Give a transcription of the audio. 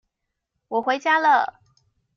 我回家了